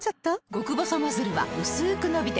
極細ノズルはうすく伸びて